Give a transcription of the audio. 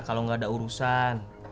gak ada urusan